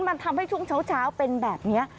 มันทำให้ช่วงเช้าเป็นแบบนี้